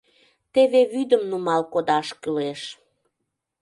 Теве вӱдым нумал кодаш кӱлеш.